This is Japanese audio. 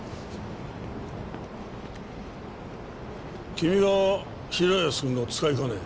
君が平安くんの使いかね？